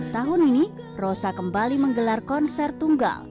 tahun ini rosa kembali menggelar konser tunggal